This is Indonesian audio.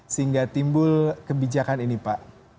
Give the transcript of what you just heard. sehingga timbul kebijakan ini pak